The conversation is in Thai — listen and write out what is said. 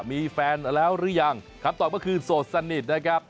มีแฟนแล้วหรือยังคำตอบก็คือโสดสนิทนะครับ